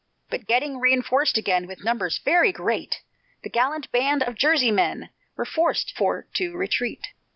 But getting reënforced again With numbers very great, The gallant band of Jerseymen Were forced for to retreat.